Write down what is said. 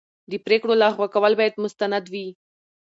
د پرېکړې لغوه کول باید مستند وي.